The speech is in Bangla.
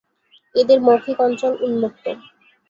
এদের মৌখিক অঞ্চল উন্মুক্ত।